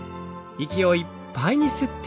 息をいっぱいに吸って。